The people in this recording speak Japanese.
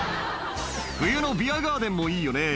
「冬のビアガーデンもいいよね」